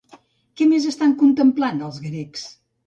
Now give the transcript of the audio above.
Què més estan contemplant els grecs?